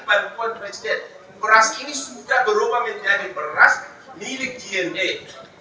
beras ini sudah berubah menjadi beras milik dna